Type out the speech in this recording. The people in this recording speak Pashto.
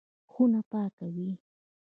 خونه پاکوي.